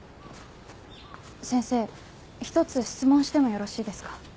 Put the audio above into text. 先生一つ質問してもよろしいですか？